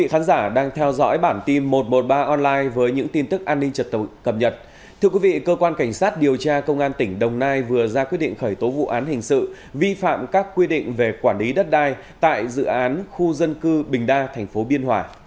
hãy đăng ký kênh để ủng hộ kênh của chúng mình nhé